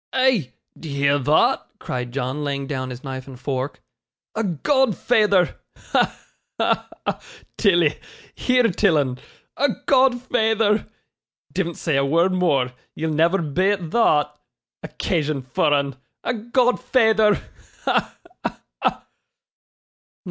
'Eh! d'ye hear thot?' cried John, laying down his knife and fork. 'A godfeyther! Ha! ha! ha! Tilly hear till 'un a godfeyther! Divn't say a word more, ye'll never beat thot. Occasion for 'un a godfeyther! Ha! ha! ha!